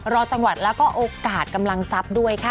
รอจังหวัดแล้วก็โอกาสกำลังทรัพย์ด้วยค่ะ